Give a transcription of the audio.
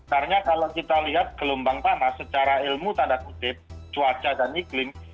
karena kalau kita lihat gelombang panas secara ilmu tanda kutip cuaca dan iklim